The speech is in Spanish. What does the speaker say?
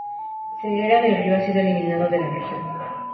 Ceguera del río ha sido eliminado de la región.